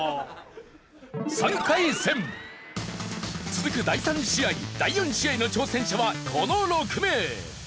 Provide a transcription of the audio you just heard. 続く第３試合第４試合の挑戦者はこの６名！